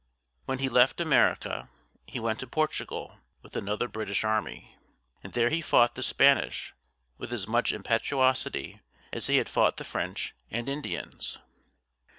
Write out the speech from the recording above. When he left America, he went to Portugal with another British army, and there he fought the Spanish with as much impetuosity as he had fought the French and Indians.